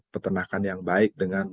peternakan yang baik dengan